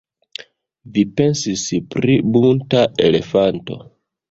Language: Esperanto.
Vi pensis pri bunta elefanto!